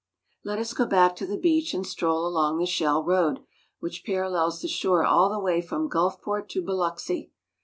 Let us go back to the beach and stroll along the shell road, which parallels the shore all the way from Gulfport to Biloxi.